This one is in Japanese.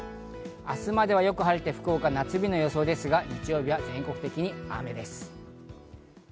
明日まではよく晴れて福岡、夏日の予想ですが、日曜日が全国的に雨です。